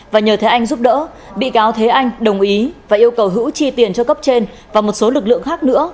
và nhờ thế anh giúp đỡ bị cáo thế anh đồng ý và yêu cầu hữu chi tiền cho cấp trên và một số lực lượng khác nữa